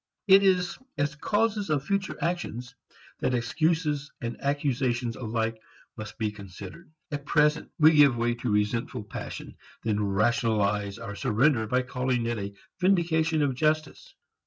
It is as causes of future actions that excuses and accusations alike must be considered. At present we give way to resentful passion, and then "rationalize" our surrender by calling it a vindication of justice.